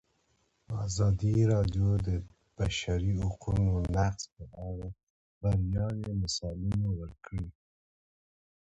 ازادي راډیو د د بشري حقونو نقض په اړه د بریاوو مثالونه ورکړي.